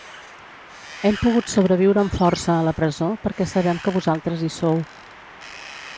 Hem pogut sobreviure amb força a la presó perquè sabem que vosaltres hi sou.